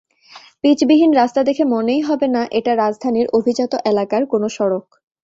পিচবিহীন রাস্তা দেখে মনেই হবে না, এটা রাজধানীর অভিজাত এলাকার কোনো সড়ক।